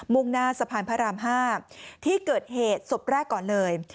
่งหน้าสะพานพระราม๕ที่เกิดเหตุศพแรกก่อนเลย